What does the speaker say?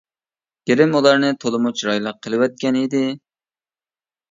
گىرىم ئۇلارنى تولىمۇ چىرايلىق قىلىۋەتكەن ئىدى.